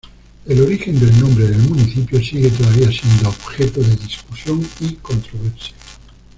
El origen del nombre del municipio sigue todavía siendo objeto de discusión y controversia.